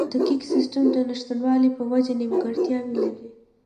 د دقیق سیستم د نشتوالي په وجه نیمګړتیاوې لري.